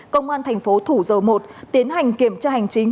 công an tp thủ dầu một tiến hành kiểm tra hành chính